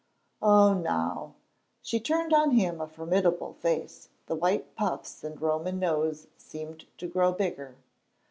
"Oh, now;" she turned on him a formidable face; the white puffs and Roman nose seemed to grow bigger.